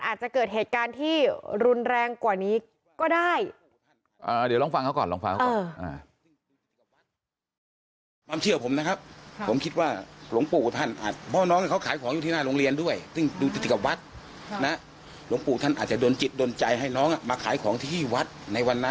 อาจจะเกิดเหตุการณ์ที่รุนแรงกว่านี้ก็ได้